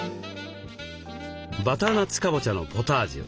バターナッツカボチャのポタージュ。